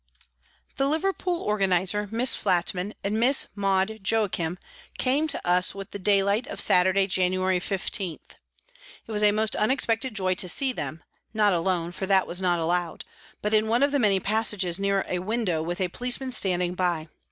The Liverpool organiser, Miss Flatman, and Miss Maude Joachim came to us with the daylight of Saturday, January 15. It was a most unexpected joy to see them not alone, for that was not allowed, but in one of the many passages near a window with a policeman standing by.